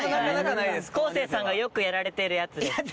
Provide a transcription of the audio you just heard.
昴生さんがよくやられているやつです。